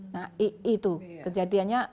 nah itu kejadiannya